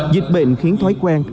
dịch bệnh khiến thói quen